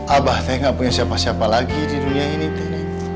abah saya nggak punya siapa siapa lagi di dunia ini teh